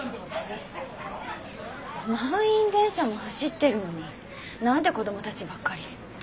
満員電車も走ってるのに何で子供たちばっかり。